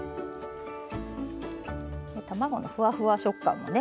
卵のふわふわ食感もね